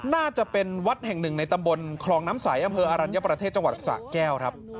น่าจะเป็นวัดแห่งหนึ่งในตำบลคลองน้ำใสอำเภออรัญญประเทศจังหวัดสะแก้วครับ